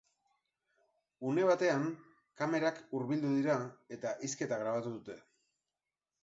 Une batean, kamerak hurbildu dira, eta hizketa grabatu dute.